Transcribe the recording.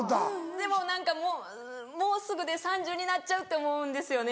でも何かもうもうすぐで３０歳になっちゃうって思うんですよね